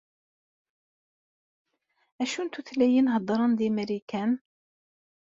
Acu n tutlayin heddren di Marikan?